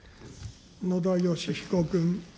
野田佳彦君。